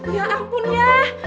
ya ampun ya